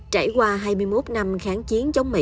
trải qua hai mươi một năm kháng chiến chống mỹ